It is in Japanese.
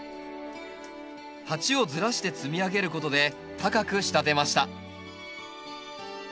鉢をずらして積み上げることで高く仕立てました。